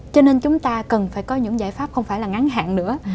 cho nên chúng ta cần phải có những giải pháp không phải là ngắn hạn nữa